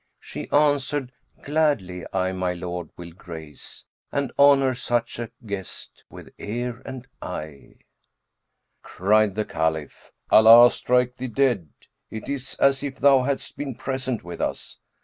She answered, 'Gladly I, my lord, will grace * And honour such a guest with ear and eye.'" Cried the Caliph, "Allah strike thee dead! it is as if thou hadst been present with us.''